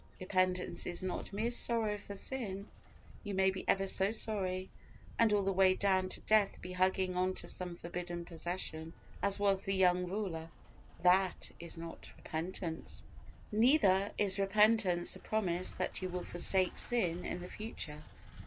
Repentance is not mere sorrow for sin. You may be ever so sorry, and all the way down to death be hugging on to some forbidden possession, as was the young ruler. That is not repentance. Neither is repentance a promise that you will forsake sin in the future.